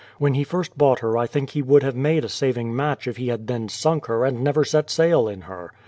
When he first bought her I think he would have made a saving match if he had then sunk her and never set sail in her